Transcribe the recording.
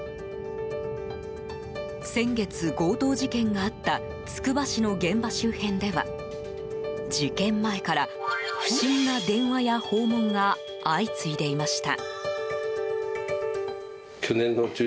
先月、強盗事件があったつくば市の現場周辺では事件前から、不審な電話や訪問が相次いでいました。